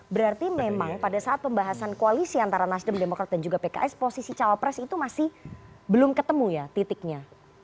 berarti memang pada saat pembahasan koalisi antara nasdem demokrat dan juga pks posisi cawapres itu masih belum ketemu ya titiknya